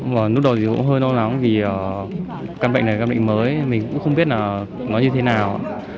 và lúc đầu thì cũng hơi lo lắng vì căn bệnh này là căn bệnh mới mình cũng không biết là nó như thế nào